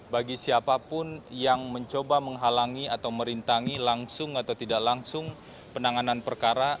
bagi siapapun yang mencoba menghalangi atau merintangi langsung atau tidak langsung penanganan perkara